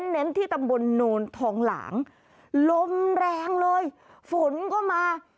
เน้นที่ตำบลโนนทองหลางลมแรงเลยฝนก็มา